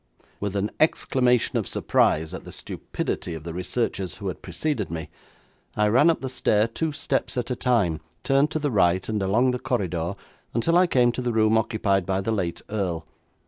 With an exclamation of surprise at the stupidity of the researchers who had preceded me, I ran up the stair two steps at a time, turned to the right, and along the corridor until I came to the room occupied by the late earl.